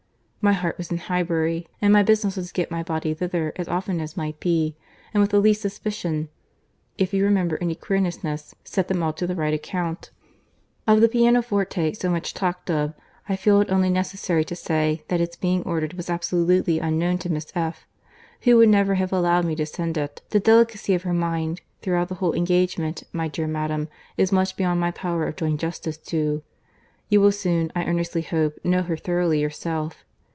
My heart was in Highbury, and my business was to get my body thither as often as might be, and with the least suspicion. If you remember any queernesses, set them all to the right account.—Of the pianoforte so much talked of, I feel it only necessary to say, that its being ordered was absolutely unknown to Miss F—, who would never have allowed me to send it, had any choice been given her.—The delicacy of her mind throughout the whole engagement, my dear madam, is much beyond my power of doing justice to. You will soon, I earnestly hope, know her thoroughly yourself.